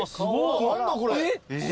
何だこれ。